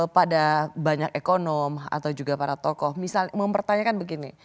pada banyak ekonom atau juga para tokoh misalnya mempertanyakan begini